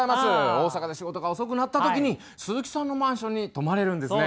大阪で仕事が遅くなった時に鈴木さんのマンションに泊まれるんですね。